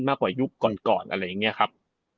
มากกว่ายุคก่อนอะไรอย่างนี้ครับ